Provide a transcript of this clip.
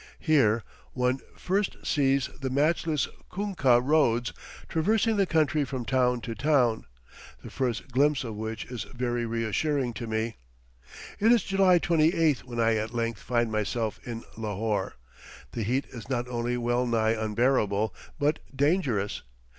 Here one first sees the matchless kunkah roads, traversing the country from town to town, the first glimpse of which is very reassuring to me. It is July 28th when I at length find myself in Lahore. The heat is not only well nigh unbearable, but dangerous.